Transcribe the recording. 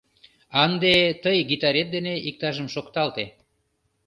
А ынде тый гитарет дене иктажым шокталте.